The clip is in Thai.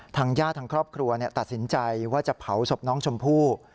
ทางญาติทางครอบครัวตัดสินใจว่าจะเผาศพน้องชมพู่